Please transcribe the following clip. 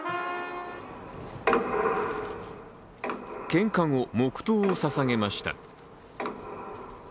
献花後、黙とうをささげました。